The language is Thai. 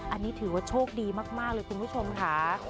อันนี้ถือว่าโชคดีมากเลยคุณผู้ชมค่ะ